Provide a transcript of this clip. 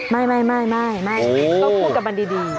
ไม่ต้องพูดกับมันดี